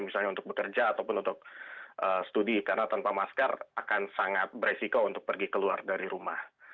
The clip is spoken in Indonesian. misalnya untuk bekerja ataupun untuk studi karena tanpa masker akan sangat beresiko untuk pergi keluar dari rumah